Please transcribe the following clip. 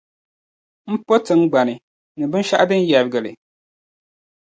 M po tiŋgbani, ni binshɛɣu din yɛrgi li.